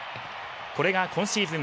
これが今シーズン